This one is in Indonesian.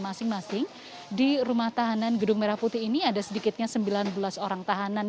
masing masing di rumah tahanan gedung merah putih ini ada sedikitnya sembilan belas orang tahanan